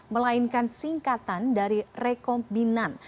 melainkan singkatan dari rekombinan